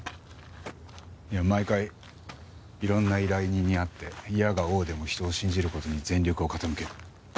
いや毎回いろんな依頼人に会っていやが応でも人を信じる事に全力を傾ける。